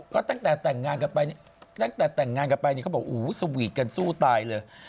ก็ตั้งแต่แต่งงานกันไปเนี่ยตั้งแต่แต่งงานกันไปเนี่ยเขาบอกอู๋สวีทกันสู้ตายเลย